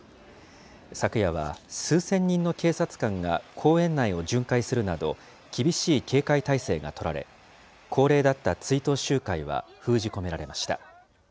昨夜は数千人の警察官が公園内を巡回するなど、厳しい警戒態勢が取られ、恒例だった追悼集会は封じ込められました。